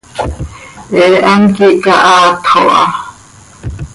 He hant quih cahaatxo ha.